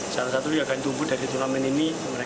salah satu yang akan tumbuh dari tulaman ini